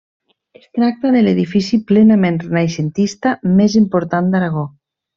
Es tracta de l'edifici plenament renaixentista més important d'Aragó.